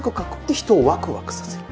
で人をワクワクさせる。